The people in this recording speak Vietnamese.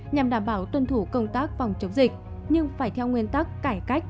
nhằm đảm bảo tuân thủ công tác phòng chống dịch nhưng phải theo nguyên tắc cải cách